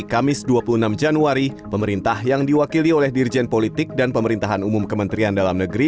kamis dua puluh enam januari pemerintah yang diwakili oleh dirjen politik dan pemerintahan umum kementerian dalam negeri